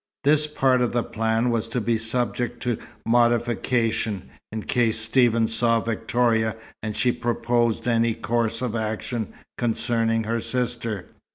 This part of the plan was to be subject to modification, in case Stephen saw Victoria, and she proposed any course of action concerning her sister.